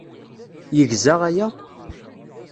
Yegza aya?